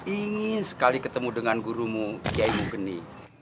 ingin sekali ketemu dengan gurumu kiai muni